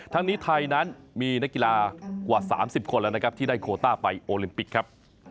ทั้งนี้ไทยนั้นมีนักกีฬากว่า๓๐คนแล้วนะครับที่ได้โคต้าไปโอลิมปิกครับ